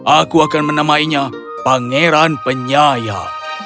aku akan menamainya pangeran penyaya